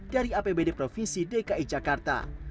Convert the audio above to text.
dari apbd provinsi dki jakarta